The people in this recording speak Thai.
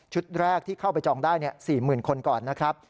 แรกที่เข้าไปจองได้๔๐๐๐คนก่อนนะครับ